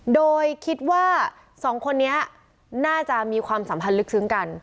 โดยคิดว่าสองคนนี้น่าจะมีความสัมพันธ์ลึกซึ้งกัน